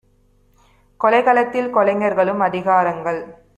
கொலைக்களத்தில் கொலைஞர்களும் அதிகா ரங்கள்